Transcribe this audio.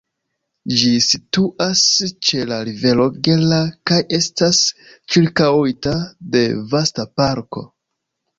Ĝi situas ĉe la rivero Gera kaj estas ĉirkaŭita de vasta parko.